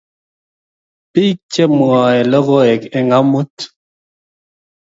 bik che mwae lokeok eng amut